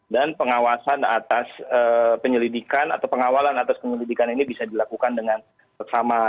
dan pengawasan atas penyelidikan atau pengawalan atas penyelidikan ini bisa dilakukan dengan bersama